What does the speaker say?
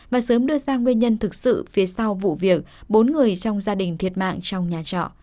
và sớm đưa ra nguyên nhân thực sự phía sau vụ việc bốn người trong gia đình thiệt mạng trong nhà trọ